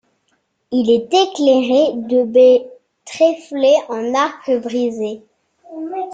Il est éclairé de baies tréflées en arc brisé.